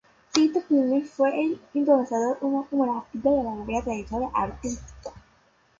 Tito Climent fue un improvisado actor humorístico de larga trayectoria artística.